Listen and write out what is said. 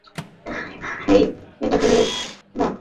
হেই, এটা তুমি না?